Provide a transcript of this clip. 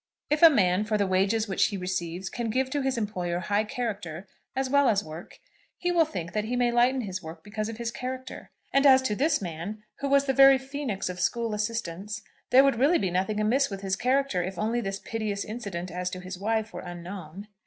If a man, for the wages which he receives, can give to his employer high character as well as work, he will think that he may lighten his work because of his character. And as to this man, who was the very ph[oe]nix of school assistants, there would really be nothing amiss with his character if only this piteous incident as to his wife were unknown.